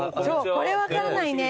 これは分からないね。